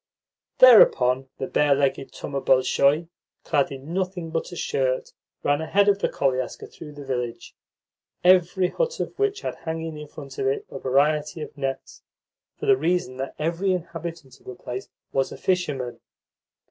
Thereupon the barelegged Thoma Bolshoy, clad in nothing but a shirt, ran ahead of the koliaska through the village, every hut of which had hanging in front of it a variety of nets, for the reason that every inhabitant of the place was a fisherman.